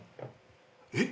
えっ！？